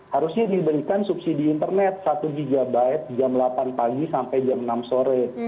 harusnya diberikan subsidi internet satu gb jam delapan pagi sampai jam enam sore